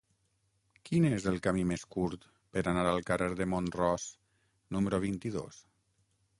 Quin és el camí més curt per anar al carrer de Mont-ros número vint-i-dos?